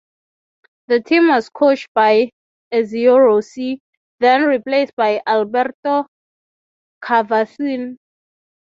The team was coached by Ezio Rossi, then replaced by Alberto Cavasin.